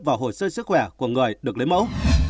vào hồ sơ sức khỏe của người được lấy mẫu